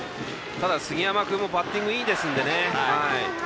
杉山君もバッティングいいですからね。